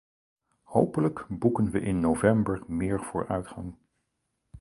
Hopelijk boeken we in november meer vooruitgang.